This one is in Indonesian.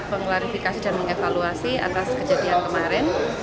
mengklarifikasi dan mengevaluasi atas kejadian kemarin